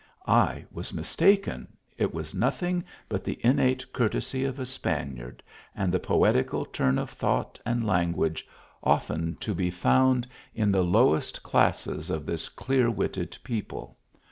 I was mistaken, it was nothing but the innate courtesy of a Spaniard, and the poetical turn of thought and language often to be found in the lowest classes of this clear witted people.